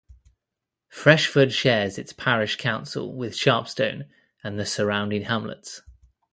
Freshford shares its parish council with Sharpstone and the surrounding hamlets.